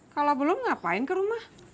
kalau belum ngapain ke rumah